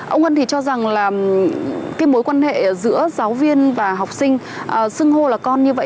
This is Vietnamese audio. ông ngân thì cho rằng là cái mối quan hệ giữa giáo viên và học sinh sưng hô là con như vậy